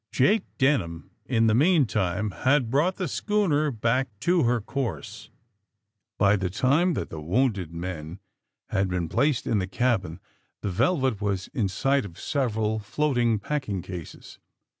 Jake Denham, in the meantime, had brought the schooner back to her course. AND THE SMUGGfLEES 237 By tlie time that the wounded men had been placed in the cabin the ^^ Velvet*' was in sight of several floating packing cases.